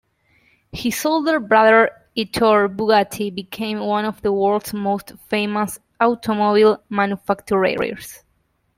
His older brother Ettore Bugatti became one of the world's most famous automobile manufacturers.